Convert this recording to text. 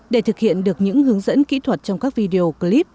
để thực hiện được những hướng dẫn kỹ thuật trong các video clip